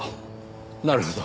なるほど。